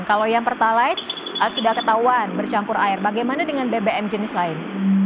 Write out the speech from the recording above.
kalau yang pertalite sudah ketahuan bercampur air bagaimana dengan bbm jenis lain